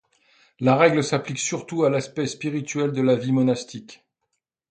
La règle s'applique surtout à l'aspect spirituel de la vie monastique.